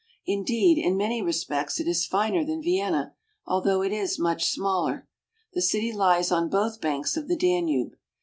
Indeed, in many respects it is finer than Vienna, although it is much smaller. The city lies on both banks of the Danube.